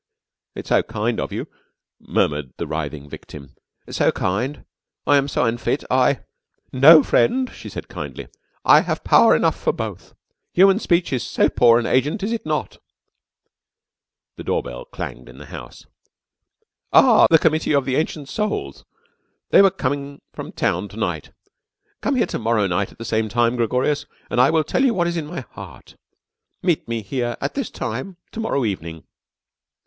"It's so kind of you," murmured the writhing victim, "so kind. I am so unfit, I " "No, friend," she said kindly. "I have power enough for both. The human speech is so poor an agent, is it not?" A door bell clanged in the house. "Ah, the Committee of the Ancient Souls. They were coming from town to night. Come here to morrow night at the same time, Gregorius, and I will tell you what is in my heart. Meet me here at this time to morrow evening."